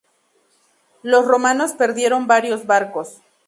Los romanos perdieron varios barcos.